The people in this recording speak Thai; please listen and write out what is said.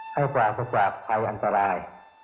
ให้ปลากษาภาพไทยอันตราย